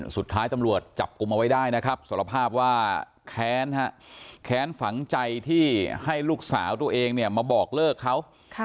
สุดท้ายตำรวจจับกลุ่มเอาไว้ได้นะครับสารภาพว่าแค้นฮะแค้นฝังใจที่ให้ลูกสาวตัวเองเนี่ยมาบอกเลิกเขา